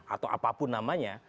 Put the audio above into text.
atau apapun namanya